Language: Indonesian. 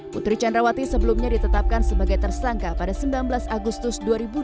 putri candrawati sebelumnya ditetapkan sebagai tersangka pada sembilan belas agustus dua ribu dua puluh